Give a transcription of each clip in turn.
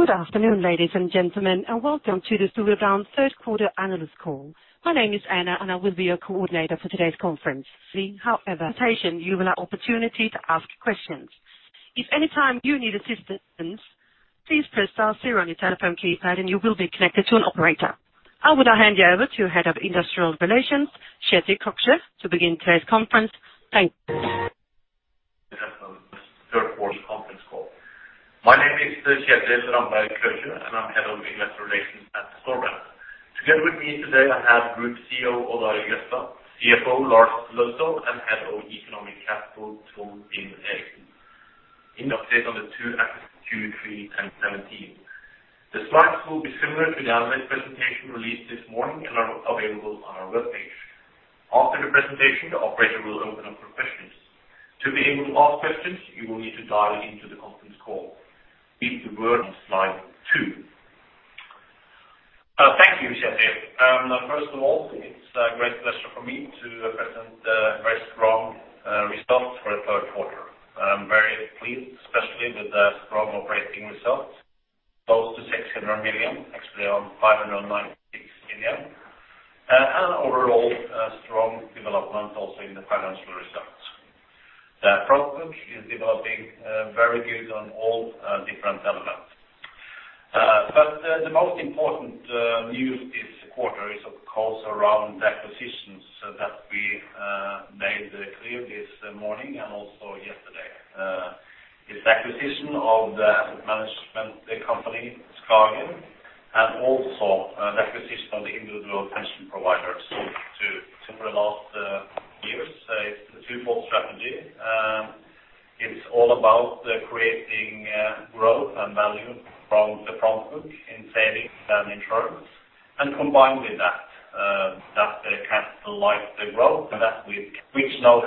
Good afternoon, ladies and gentlemen, and welcome to the Storebrand third quarter analyst call. My name is Anna, and I will be your coordinator for today's conference. However, presentation, you will have opportunity to ask questions. If any time you need assistance, please press star zero on your telephone keypad, and you will be connected to an operator. I would now hand you over to Head of Investor Relations, Kjetil Ramberg Krøkje, to begin today's conference. Thank you. ... Third quarter conference call. My name is Kjetil Krøkje, and I'm Head of Investor Relations at Storebrand. Together with me today, I have Group CEO, Odd Arild Grefstad, Lars Aasulv Løddesøl, and Head of Economic Capital, Tore Ingebrigtsen. An update on the Q2, Q3 and 2017. The slides will be similar to the analyst presentation released this morning and are available on our webpage. After the presentation, the operator will open up for questions. To be able to ask questions, you will need to dial into the conference call. Read the word on slide 2. Thank you, Kjetil. First of all, it's a great pleasure for me to present very strong results for the third quarter. I'm very pleased, especially with the strong operating results, close to 600 million, actually on 596 million. Overall, a strong development also in the financial results. The front book is developing very good on all different elements. But the most important news this quarter is, of course, around the acquisitions, so that we made it clear this morning and also yesterday. It's acquisition of the asset management company, Skagen, and also an acquisition of the individual pension providers to the last years. It's the twofold strategy. It's all about the creating growth and value from the front book in savings and insurance. And combined with that, that's the capital, like, the growth, and that we've reached now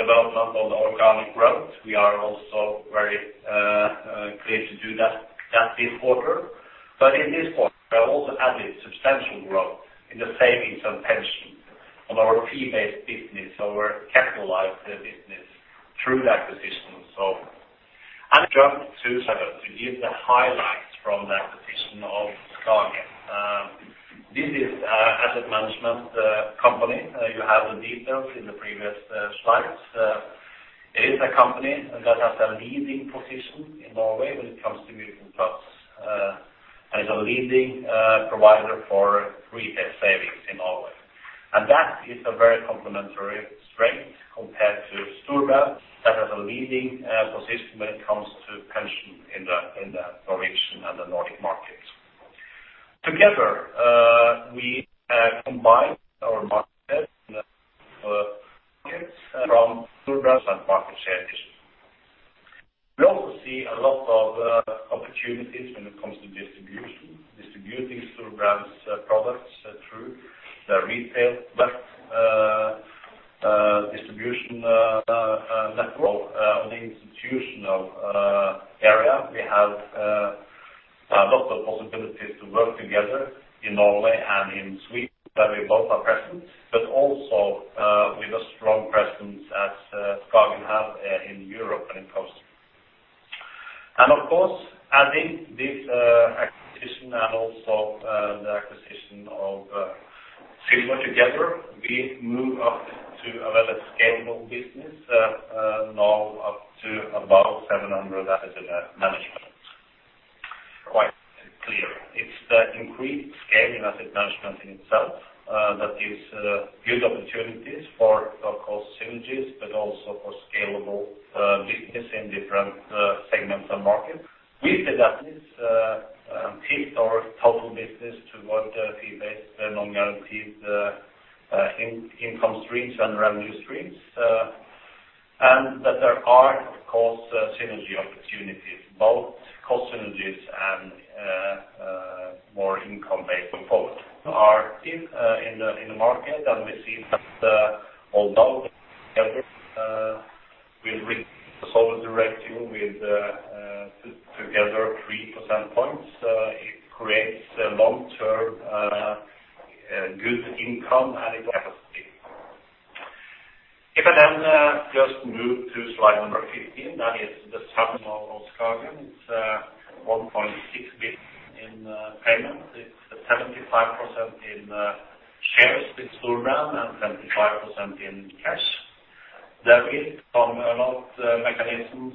development of the organic growth. We are also very clear to do that, that this quarter. But in this quarter, we have also added substantial growth in the savings and pension of our fee-based business, our capitalized business, through the acquisition. So I'll jump to 7, to give the highlights from the acquisition of Skagen. This is asset management company. You have the details in the previous slides. It is a company that has a leading position in Norway when it comes to mutual funds, and a leading provider for retail savings in Norway. And that is a very complementary strength compared to Storebrand, that has a leading position when it comes to pension in the Norwegian and the Nordic market. Together, we combine our market from Storebrand and market shares. We also see a lot of opportunities when it comes to distribution, distributing Storebrand's products through the retail, but distribution network, the institutional area. We have a lot of possibilities to work together in Norway and in Sweden, where we both are present, but also with a strong presence as Skagen have in Europe and in International. And of course, adding this acquisition and also the acquisition of Silver together, we move up to a very scalable business, now up to about 700 asset under management. Quite clear, it's the increased scale in asset management in Silver that gives good opportunities for, of course, synergies, but also for scalable business in different segments and markets. With the shift our total business toward the fee-based, the non-guaranteed, income streams and revenue streams, and that there are, of course, synergy opportunities, both cost synergies and more income based going forward. As in the market, and we see that, although, we've reached the solid direction with, together 3 percentage points, it creates a long-term, good income and capacity. If I then, just move to slide number 15, that is the sum of Skagen. It's 1.6 billion in payment. It's 75% in shares with Storebrand and 25% in cash. There is some a lot mechanisms,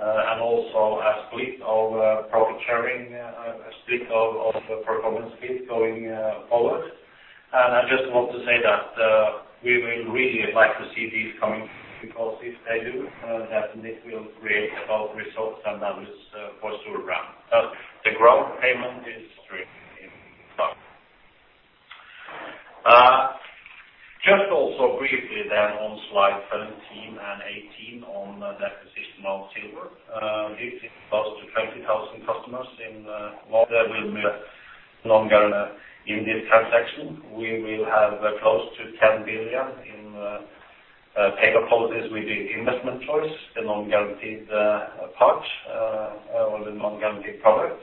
and also a split of profit sharing, a split of the performance split going forward. I just want to say that, we will really like to see these coming, because if they do, then this will create both results and others, for Storebrand. But the growth payment is stream in. Just also briefly then on slide 17 and 18, on the acquisition of Silver. This is close to 20,000 customers in, while there will be no longer in this transaction. We will have close to 10 billion in, paid-up policies with the investment choice, the non-guaranteed, part, or the non-guaranteed product.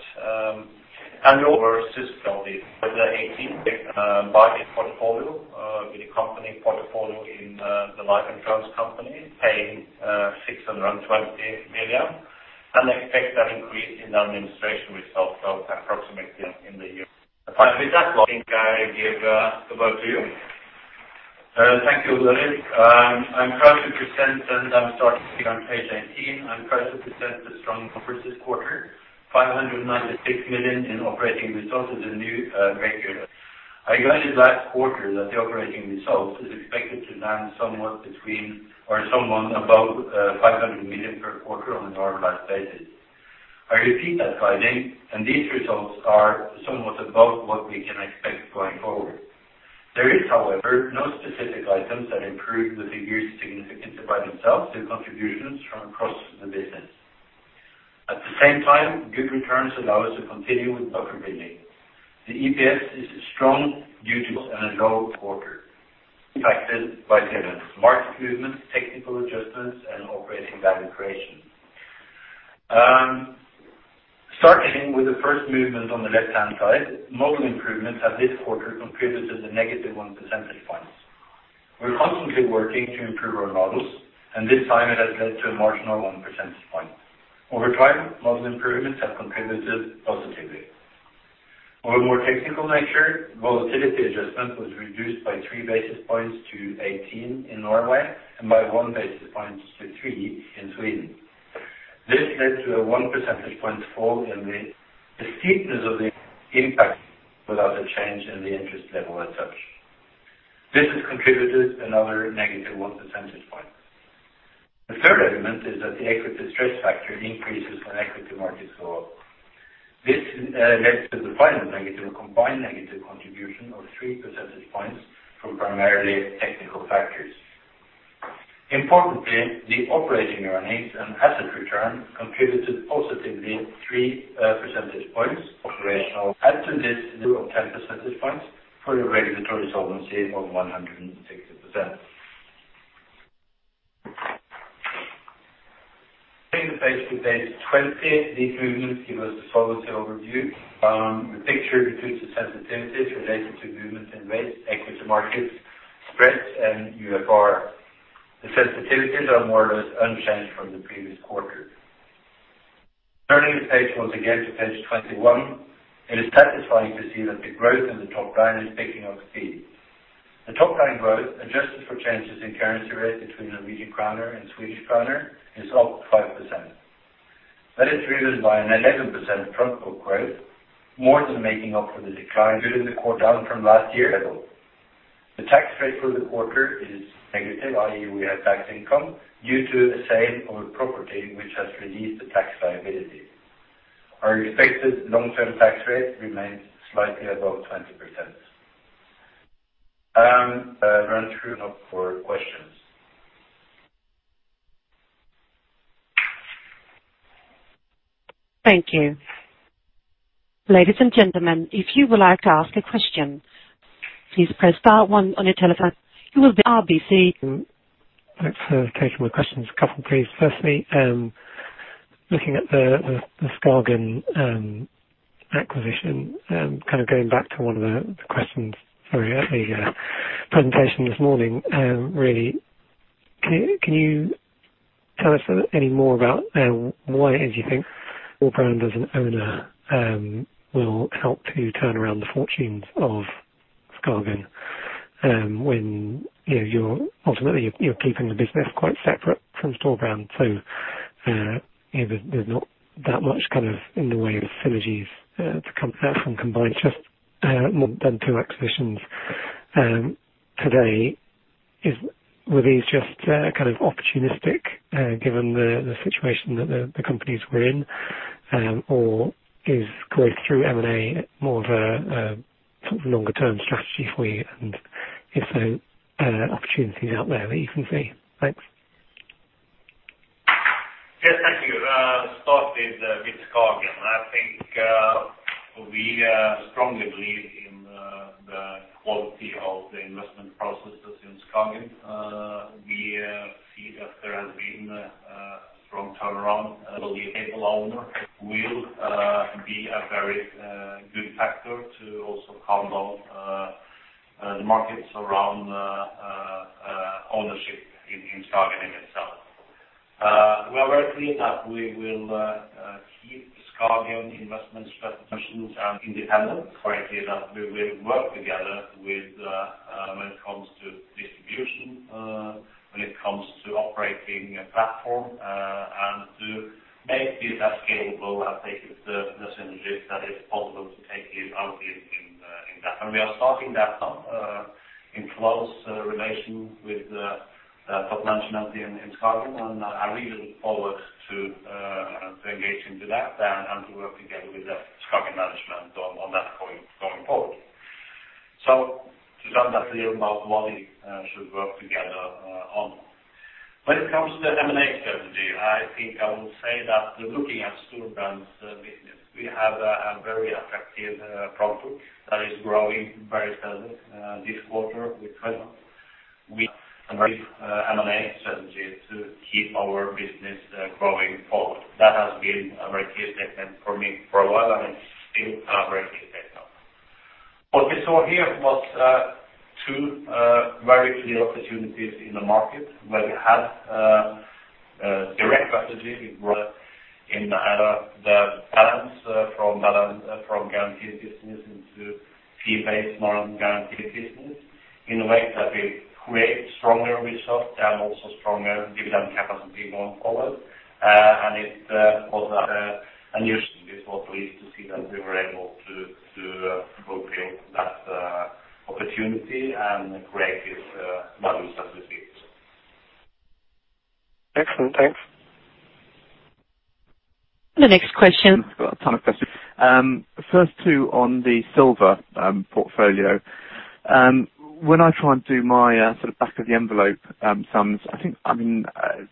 And we also assist on the 18, buying portfolio, with the company portfolio in, the life insurance company, paying, 620 million, and expect an increase in the administration results of approximately in the year. With that, I think I give the go to you. Thank you, Odd. I'm proud to present, and I'm starting on page 18. I'm proud to present the strong first this quarter, 596 million in operating results is a new record. I guided last quarter that the operating results is expected to land somewhat between or somewhat above 500 million per quarter on a normalized basis. I repeat that guiding, and these results are somewhat above what we can expect going forward. There is, however, no specific items that improve the figures significantly by themselves, the contributions from across the business. At the same time, good returns allow us to continue with our dividend. The EPS is strong due to a low quarter, impacted by tenor, market movements, technical adjustments, and operating value creation. Starting with the first movement on the left-hand side, model improvements have this quarter contributed to the negative 1 percentage points. We're constantly working to improve our models, and this time it has led to a marginal 1 percentage point. Over time, model improvements have contributed positively. On a more technical nature, volatility adjustment was reduced by 3 basis points to 18 in Norway and by 1 basis point to 3 in Sweden. This led to a 1 percentage point fall in the steepness of the impact without a change in the interest level as such. This has contributed another negative 1 percentage point. The third element is that the equity stress factor increases when equity markets go up. This led to the final negative, combined negative contribution of 3 percentage points from primarily technical factors. Importantly, the operating earnings and asset return contributed positively 3 percentage points operational. Add to this 2 of 10 percentage points for a regulatory solvency of 160%. Turning to page 20, these movements give us the following overview. The picture includes the sensitivities related to movements in rates, equity markets, spreads, and UFR. The sensitivities are more or less unchanged from the previous quarter. Turning the page once again to page 21, it is satisfying to see that the growth in the top line is picking up speed. The top line growth, adjusted for changes in currency rates between Norwegian kroner and Swedish kroner, is up 5%. That is driven by an 11% front book growth, more than making up for the decline during the quarter down from last year level. The tax rate for the quarter is negative, i.e., we have tax income due to the sale of a property which has released the tax liability. Our expected long-term tax rate remains slightly above 20%. We're now up for questions. Thank you. Ladies and gentlemen, if you would like to ask a question, please press star one on your telephone. You will be RBC. Thanks for taking my questions. A couple, please. Firstly, looking at the Skagen acquisition, kind of going back to one of the questions very early presentation this morning. Really, can you tell us any more about why you think Storebrand as an owner will help to turn around the fortunes of Skagen, when, you know, you're ultimately keeping the business quite separate from Storebrand, so, you know, there's not that much kind of in the way of synergies to come from combined just more than two acquisitions. Today, were these just kind of opportunistic, given the situation that the companies were in? Or is growth through M&A more of a sort of longer-term strategy for you, and if so, are there opportunities out there that you can see? Thanks. Yes, thank you. Start with Skagen. I think we strongly believe in the quality of the investment processes in Skagen. We see that there has been a strong turnaround, and we are able owner will be a very good factor to also calm down the markets around ownership in Skagen and Silver. We are very clear that we will keep Skagen investments, but functions are independent. Frankly, that we will work together with when it comes to distribution, when it comes to operating a platform, and to make it as scalable as the synergies that is possible to take it out in that. And we are starting that in close relation with the top management in Skagen, and I really look forward to engage into that and to work together with the Skagen management on that point going forward. So to some degree, about what we should work together on. When it comes to the M&A strategy, I think I would say that looking at Storebrand's business, we have a very attractive product that is growing very fast this quarter with International. We have a very M&A strategy to keep our business growing forward. That has been a very key statement for me for a while now, and it's still a very key statement. What we saw here was two very clear opportunities in the market where we had direct strategy. We were in the other, the balance from balance, from guaranteed business into fee-based, non-guaranteed business, in a way that we create stronger results and also stronger dividend capacity going forward. And it was a new. We were pleased to see that we were able to, to, fulfill that opportunity and create this value that we see. Excellent. Thanks. The next question. I've got a ton of questions. First two on the Silver portfolio. When I try and do my sort of back of the envelope sums, I think, I mean,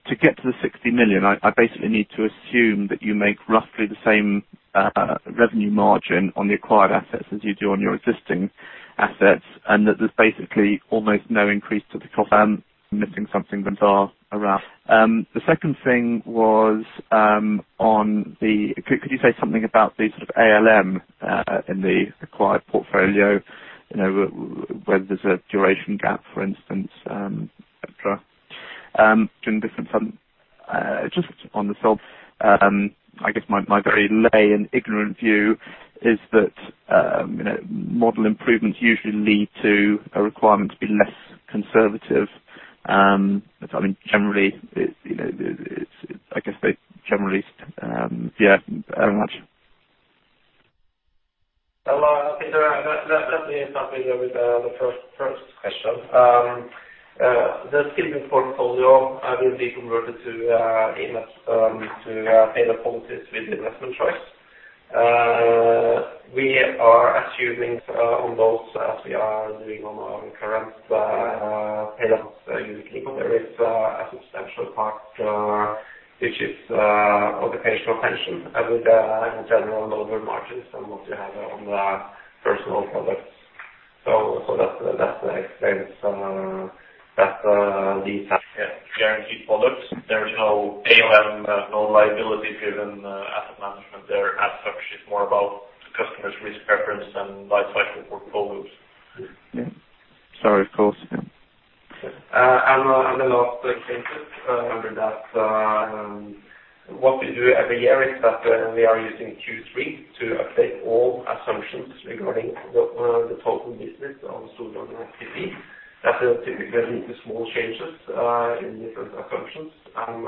to get to the 60 million, I basically need to assume that you make roughly the same revenue margin on the acquired assets as you do on your existing assets, and that there's basically almost no increase to the cost. I'm missing something bizarre around. The second thing was on the... Could you say something about the sort of ALM in the acquired portfolio? You know, whether there's a duration gap, for instance, et cetera. Doing different sum, just on the Silver, I guess my very lay and ignorant view is that, you know, model improvements usually lead to a requirement to be less conservative. I mean, generally, it, you know, it, it's, I guess, they generally... Yeah, very much. Well, I think that definitely is something with the first question. The Skandia portfolio will be converted to paid-up policies with investment choice. We are assuming on those, as we are doing on our current unit-linked, but there is a substantial part which is occupational pension with in general lower margins than what we have on the personal products. So that's the extent that these guaranteed products. There is no ALM, no liability-driven asset management there as such. It's more about the customer's risk preference and life cycle portfolios. Yeah. Sorry, of course. Yeah. And on the last point, under that, what we do every year is that we are using Q3 to update all assumptions regarding the total business on a sort of activity. That will typically lead to small changes in different assumptions, and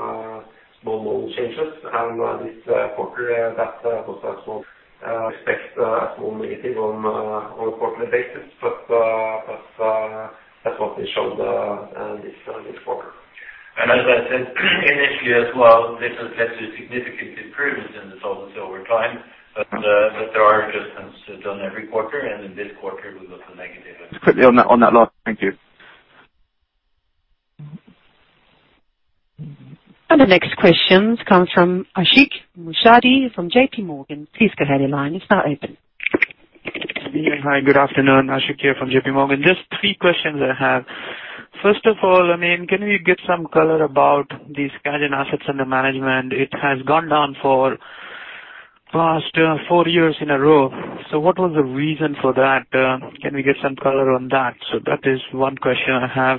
small model changes, and this quarter that was also expected, a small negative on a quarterly basis. But that's what we showed this quarter. And as I said, initially as well, this has led to significant improvements in the solvency over time, but there are adjustments done every quarter, and in this quarter, we got a negative. Quickly on that, on that last. Thank you. The next questions comes from Ashik Musaddi, from JPMorgan Please go ahead, the line is now open. Hi, good afternoon. Ashik here from JPMorgan Just three questions I have. First of all, I mean, can we get some color about the Skandia assets under management? It has gone down for past, 4 years in a row. So what was the reason for that? Can we get some color on that? So that is one question I have.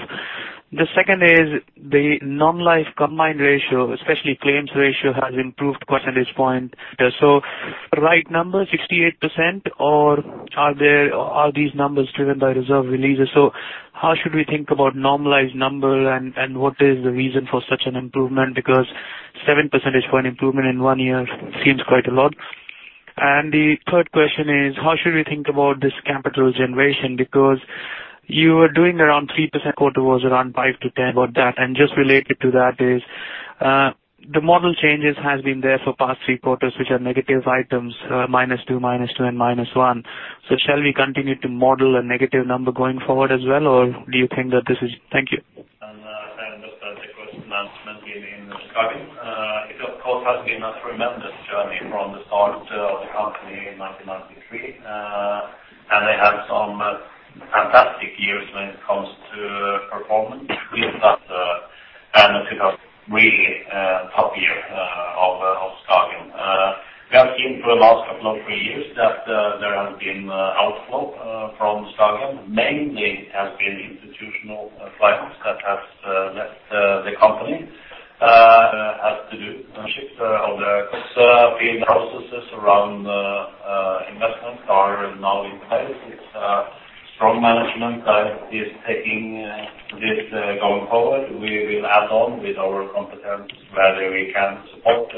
The second is, the non-life combined ratio, especially claims ratio, has improved percentage point. So right number, 68%, or are there... Are these numbers driven by reserve releases? So how should we think about normalized number, and, and what is the reason for such an improvement? Because 7 percentage point improvement in one year seems quite a lot. And the third question is: how should we think about this capital generation? Because you were doing around 3% quarter, was around 5-10. About that, and just related to that, is, the model changes has been there for past three quarters, which are negative items, minus 2, minus 2, and minus 1. So shall we continue to model a negative number going forward as well, or do you think that this is...? Thank you. Understand that the first announcement in Skagen. It of course has been a tremendous journey from the start of the company in 1993. And they had some fantastic years when it comes to performance. We've got, and it was really top year of Skagen. We have seen for the last couple of three years that there have been outflow from Skagen. Mainly has been institutional clients that has left the company, has to do ownership of the processes around the investment are now in place. It's a strong management that is taking this going forward. We will add on with our competence, whether we can support,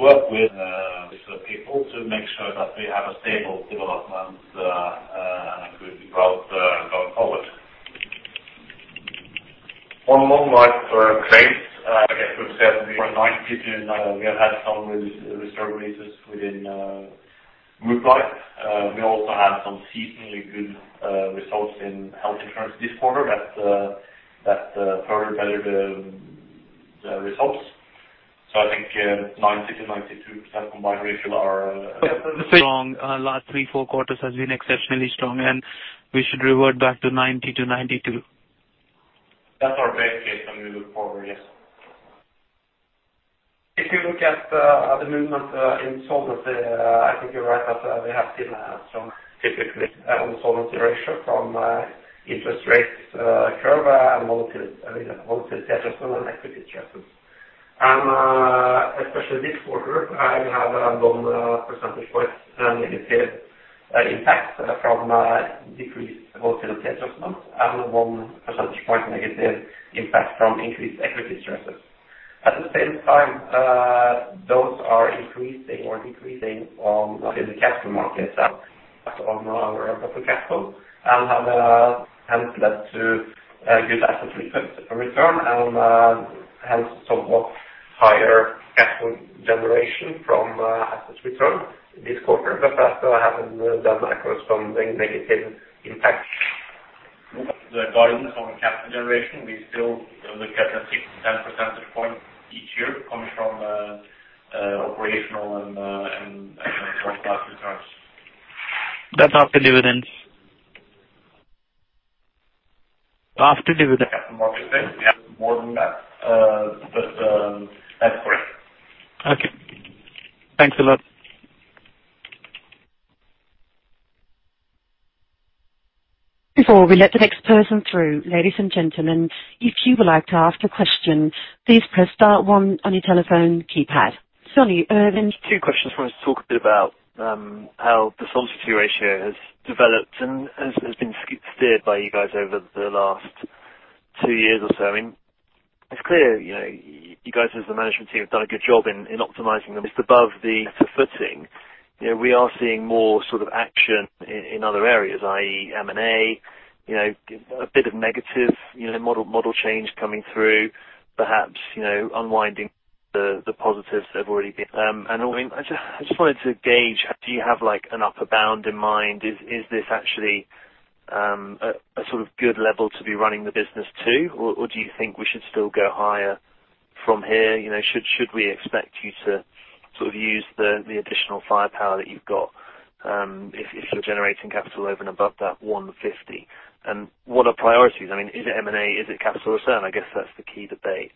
work with, with the people to make sure that we have a stable development, and a good growth, going forward. On non-life, claims, I guess we've said we are 92, and, we have had some reserve releases within, group life. We also have some seasonally good, results in health insurance this quarter that, that, further better the, the results. So I think, 90-92% combined ratio are, Strong. Last 3-4 quarters has been exceptionally strong, and we should revert back to 90%-92%? That's our base case when we look forward, yes. If you look at the movement in solvency, I think you're right, that we have seen a strong typically on the solvency ratio from interest rates curve and volatility, I mean, volatility adjustment and equity adjustments. And especially this quarter, I have a 1 percentage point negative impact from decreased volatility adjustments, and 1 percentage point negative impact from increased equity stresses. At the same time, those are increasing or decreasing in the capital markets as on our capital, and have hence led to good asset return and hence somewhat higher capital generation from assets return this quarter. But that hasn't done across from the negative impact. The guidance on capital generation, we still look at a 6-10 percentage point each year coming from operational and cash returns. That's after dividends? After dividends. Market day. Yeah, more than that. But, that's correct. Okay. Thanks a lot. Before we let the next person through, ladies and gentlemen, if you would like to ask a question, please press star one on your telephone keypad. Jonny Urwin. Two questions for us to talk a bit about how the solvency ratio has developed and has been steered by you guys over the last two years or so. I mean, it's clear, you know, you guys, as the management team, have done a good job in optimizing them. It's above the footing. You know, we are seeing more sort of action in other areas, i.e., M&A, you know, a bit of negative model change coming through, perhaps, you know, unwinding the positives that have already been. And I just wanted to gauge, do you have, like, an upper bound in mind? Is this actually a sort of good level to be running the business to, or do you think we should still go higher from here? You know, should we expect you to sort of use the additional firepower that you've got, if you're generating capital over and above that 150? And what are priorities? I mean, is it M&A? Is it capital return? I guess that's the key debate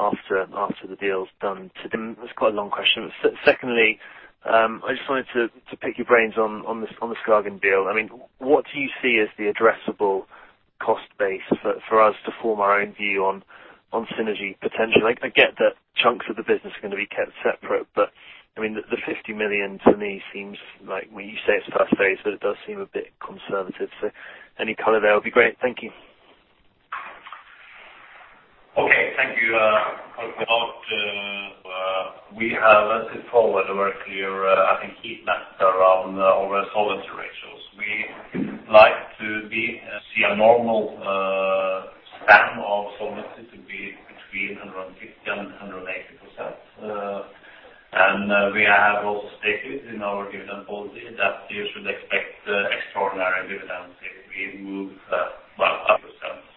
after the deal's done to... That's quite a long question. Secondly, I just wanted to pick your brains on the Skagen deal. I mean, what do you see as the addressable cost base for us to form our own view on synergy potential? I get that chunks of the business are going to be kept separate, but, I mean, the 50 million to me seems like when you say it's first phase, but it does seem a bit conservative. So any color there will be great. Thank you. Okay. Thank you. About, we have set forward a very clear, I think, heat map around our solvency ratios. We like to see a normal span of solvency to be between 160% and 180%. We have also stated in our dividend policy that you should expect extraordinary dividends if we move, well, up Solvency.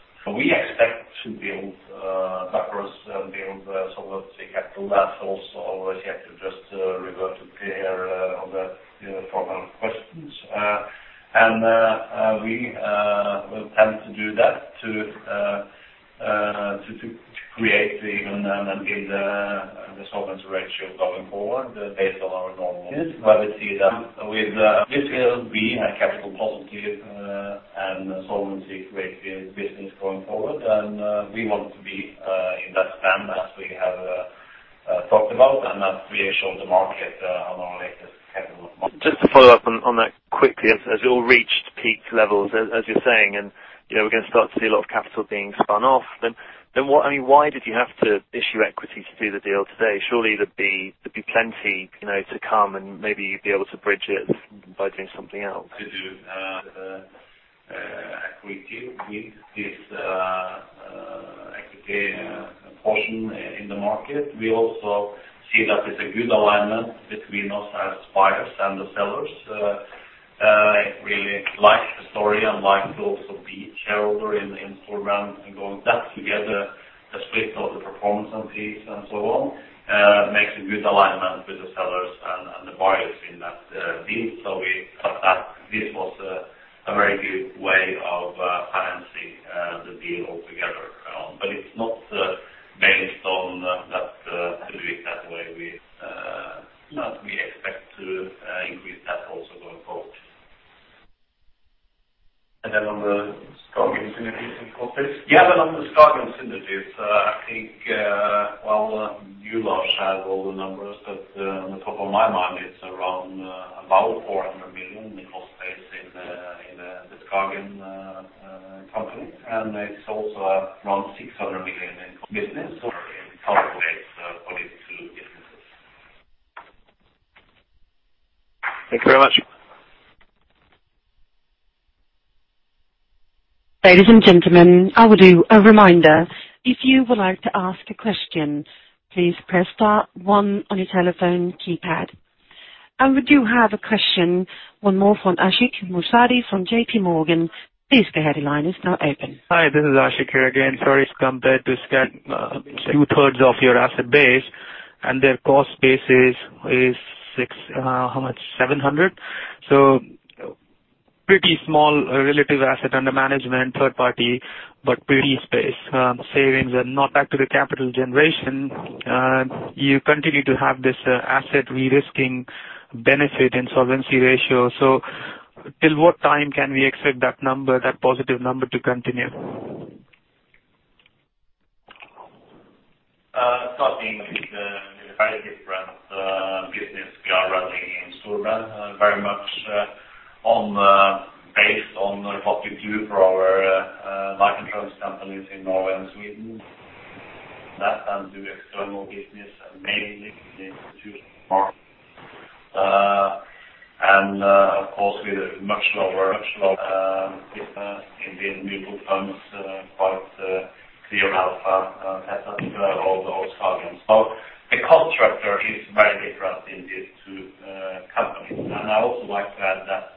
We expect to build across build solvency capital levels, so as you have to just revert to clear on the, you know, former questions. And, we will tend to do that to create and build the solvency ratio going forward, based on our normal volatility that with this will be a capital positive and solvency business going forward, and we want to be in that span as we have talked about, and that we assure the market on our latest capital. Just to follow up on that quickly. As you all reached peak levels, as you're saying, and, you know, we're going to start to see a lot of capital being spun off, then what... I mean, why did you have to issue equity to do the deal today? Surely there'd be plenty, you know, to come, and maybe you'd be able to bridge it by doing something else. To do equity with this equity portion in the market. We also see that it's a good alignment between us as buyers and the sellers. I really like the story and like to also be a shareholder in Storebrand, and going back together, the split of the performance and fees and so on makes a good alignment with the sellers and the buyers in that deal. So we thought that this was a very good way of financing the deal altogether. But it's not based on that to do it that way. We expect to increase that also going forward. On the Skagen synergies in office? Yeah, then on the Skagen synergies, I think, well, you lost track of all the numbers, but, on the top of my mind, it's around, about 400 million in cost base in, in the Skagen company, and it's also around 600 million in business or in capital base on these two businesses. Thank you very much. Ladies and gentlemen, I will do a reminder. If you would like to ask a question, please press star one on your telephone keypad. We do have a question, one more from Ashik Musaddi from JPMorgan Please go ahead, line is now open. Hi, this is Ashik here again. Sorry, it's compared to Skagen, two-thirds of your asset base, and their cost base is 600-700. So pretty small relative asset under management, third-party, but pretty space savings and now back to the capital generation. You continue to have this asset de-risking benefit and solvency ratio. So till what time can we expect that number, that positive number to continue? Starting with the very different business we are running in Storebrand, very much on based on what we do for our life insurance companies in Norway and Sweden. Less than do external business, mainly in institutional markets. And, of course, with a much lower, much lower, business in the mutual funds, quite clear alpha, all those targets. So the cost structure is very different in these two companies. And I also like to add that,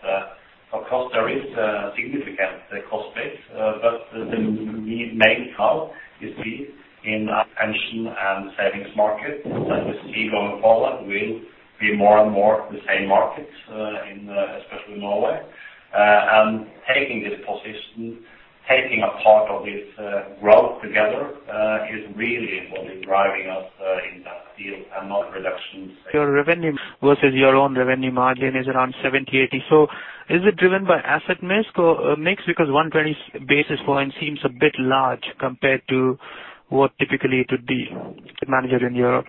of course there is a significant cost base, but the main cost is seen in our pension and savings market, that we see going forward will be more and more the same markets, in especially Norway. Taking this position, taking a part of this growth together, is really what is driving us in that field and not reductions. Your revenue versus your own revenue margin is around 70-80. So is it driven by asset mix or mix? Because 120 basis point seems a bit large compared to what typically it would be, the margin in Europe.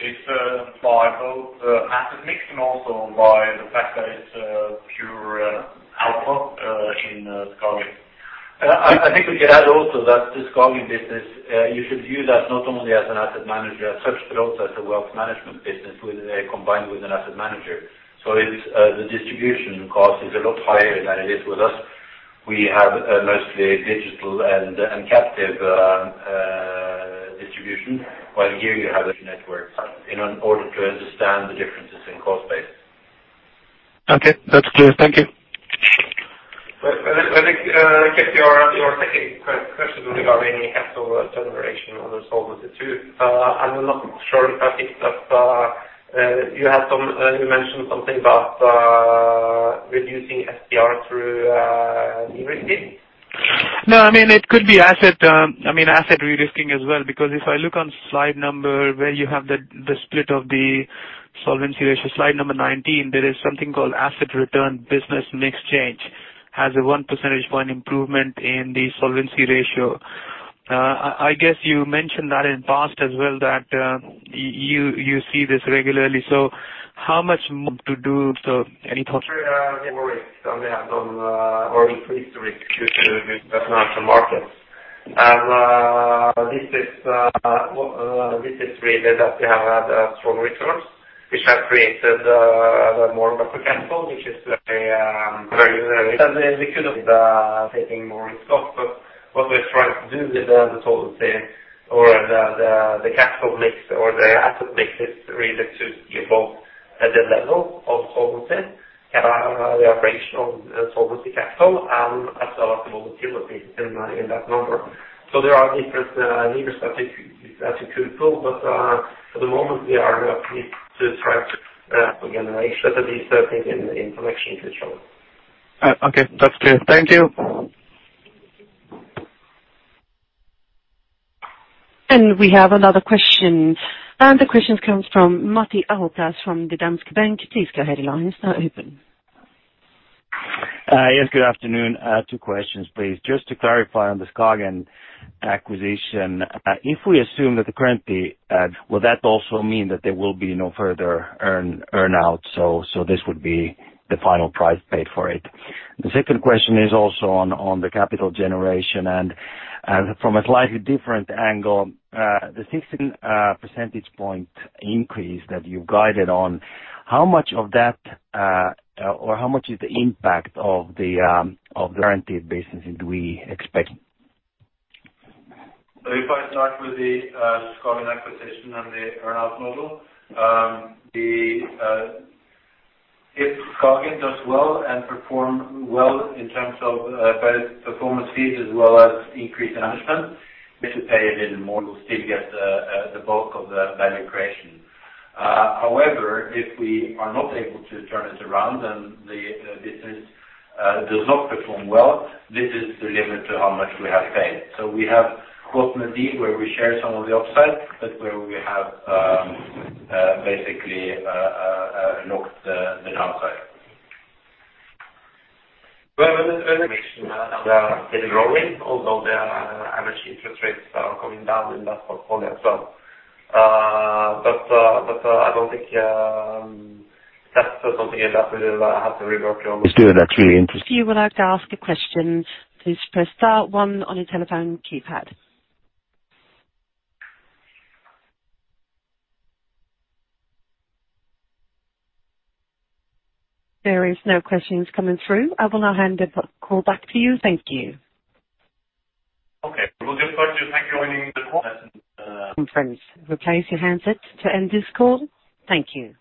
It's by both asset mix and also by the fact that it's pure alpha in Skagen. I think we can add also that the Skagen business, you should view that not only as an asset manager as such, but also as a wealth management business combined with an asset manager. So it's the distribution cost is a lot higher than it is with us. We have mostly digital and captive distribution, while here you have a network in order to understand the differences in cost base. Okay, that's clear. Thank you. But, I guess your second question regarding capital generation on the Solvency II. I'm not sure if I picked up, you had some... you mentioned something about, reducing SCR through, de-risking? No, I mean, it could be asset, I mean, asset de-risking as well, because if I look on slide number 19, where you have the split of the solvency ratio, slide number 19, there is something called asset return business mix change. Has a 1 percentage point improvement in the solvency ratio. I guess you mentioned that in the past as well, that you see this regularly. So how much more to do? So any thoughts? More risk than we have done, or increased risk with financial markets. This is really that we have had strong returns, which have created more buffer capital, which is very, very good. We could have taking more risk off, but what we're trying to do with the solvency or the capital mix or the asset mix is really to give both at the level of solvency, the operational solvency capital and as well as the volatility in that number. So there are different levers that you could pull, but for the moment, we are happy to try to again make sure that these are in connection to each other. Okay. That's clear. Thank you. We have another question. The question comes from Matti Ahokas from Danske Bank. Please go ahead, line is now open. Yes, good afternoon. I have two questions, please. Just to clarify on the Skagen acquisition, if we assume that the current fee would that also mean that there will be no further earn-out, so this would be the final price paid for it? The second question is also on the capital generation and from a slightly different angle. The 16 percentage point increase that you've guided on, how much of that or how much is the impact of the guaranteed business do we expect? So if I start with the Skagen acquisition and the earn-out model. If Skagen does well and perform well in terms of both performance fees as well as increased management, this is paid in more, you still get the bulk of the value creation. However, if we are not able to turn it around and the business does not perform well, this is the limit to how much we have paid. So we have caught the deal where we share some of the upside, but where we have basically locked the downside. Well, they are growing, although the average interest rates are coming down in that portfolio as well. But I don't think that's something that we will have to rework on. It's doing actually interest- If you would like to ask a question, please press star one on your telephone keypad. There is no questions coming through. I will now hand the call back to you. Thank you. Okay. We'll get back to you. Thank you for joining the call and Conference. Replace your handset to end this call. Thank you.